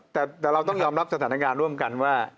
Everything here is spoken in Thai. แต่เราต้องยอมรับสถานการณ์ร่วมกันว่า